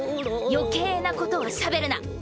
余計なことはしゃべるな。